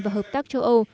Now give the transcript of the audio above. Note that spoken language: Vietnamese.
và hợp tác châu âu